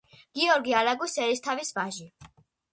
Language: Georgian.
გიორგი არაგვის ერისთავის ვაჟი.